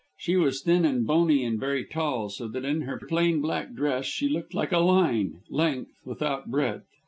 She was thin and bony and very tall, so that in her plain black dress she looked like a line length without breadth.